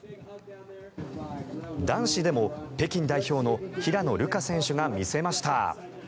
男子でも北京代表の平野流佳選手が見せました。